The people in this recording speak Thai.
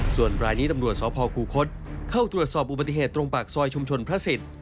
ส่วนรายนี้ตำรวจสพคูคศเข้าตรวจสอบอุบัติเหตุตรงปากซอยชุมชนพระศิษย์